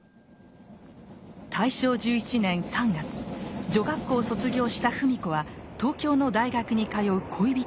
大正１１年３月女学校を卒業した芙美子は東京の大学に通う恋人を追って上京。